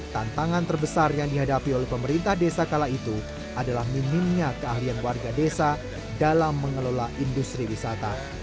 tantangan terbesar yang dihadapi oleh pemerintah desa kala itu adalah minimnya keahlian warga desa dalam mengelola industri wisata